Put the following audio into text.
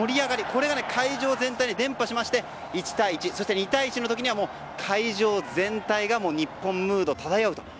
これが会場全体に伝播しまして１対１、そして２対１の時は会場全体が日本ムード漂うと。